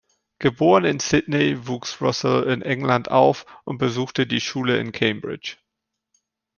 Geboren in Sydney, wuchs Russell in England auf und besuchte die Schule in Cambridge.